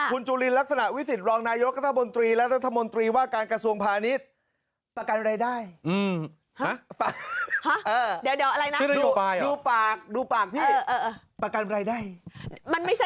คุณจุลินลักษณะวิสิตรองนายกระทะบนตรีและรัฐมนตรีว่าการกระทรวงพาณิชย์